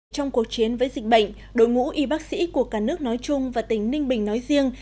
trong cuộc chiến với dịch bệnh đội ngũ y bác sĩ của cả nước nói chung và tỉnh ninh bình nói riêng